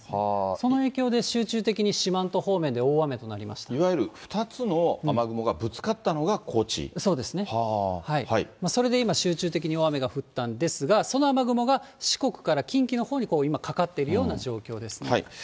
その影響で集中的に四万十方面でいわゆる２つの雨雲がぶつかそれで今、集中的に大雨が降ったんですが、その雨雲が四国から近畿のほうに今、かかっているような状況ですね。